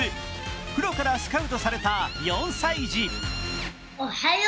プロからスカウトされた４歳児。